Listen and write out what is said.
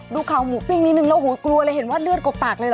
ดูข่าวหมูปิ้งนิดนึงแล้วโหกลัวเลยเห็นว่าเลือดกบปากเลยเห